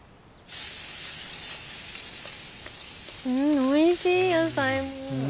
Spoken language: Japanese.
んおいしい野菜も。